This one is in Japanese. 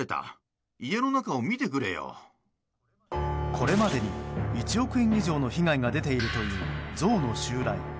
これまでに１億円以上の被害が出ているというゾウの襲来。